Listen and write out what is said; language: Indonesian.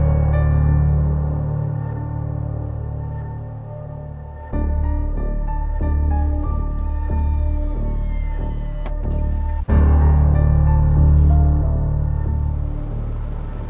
tidak ada yang bisa dihukum